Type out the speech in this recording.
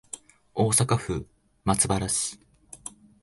大阪府松原市